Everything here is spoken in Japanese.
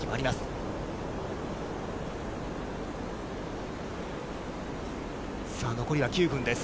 さあ残りは９分です。